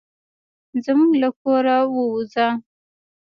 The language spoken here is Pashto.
زموږ له کوره ووزه.